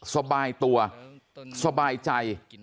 สบายตัวสบายใจ